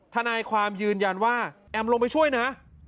ทนายความยืนยันว่าแอมลงไปช่วยนะ